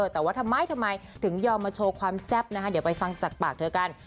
แต่ว่าทำไมทำไมถึงยอมมาโชว์ความแซ่บนะคะเดี๋ยวไปฟังจากปากเธอกัน